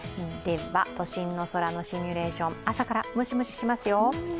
都心の空のシミュレーション、朝からムシムシしますよ。